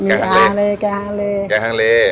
มีแก่หางเลแก่หางเลแก่หางเล